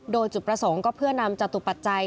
โดยจุดประสงค์ก็เพื่อนำจตุปัจจัย